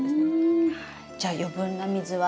じゃあ余分な水は。